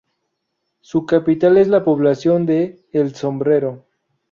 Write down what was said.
Su capital es la población de El Sombrero.